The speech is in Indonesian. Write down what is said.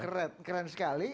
keren keren sekali